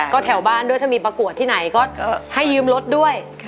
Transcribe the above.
ก็แถวบ้านด้วยถ้ามีประกวดที่ไหนก็ให้ยืมรถด้วย